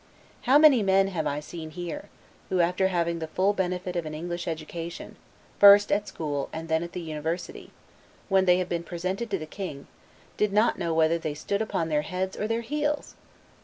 How many men have I seen here, who, after having had the full benefit of an English education, first at school, and then at the university, when they have been presented to the king, did not know whether they stood upon their heads or their heels!